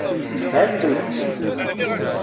Ɛassemt-ten.